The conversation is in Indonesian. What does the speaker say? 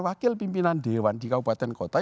wakil pimpinan dewan di kabupaten kota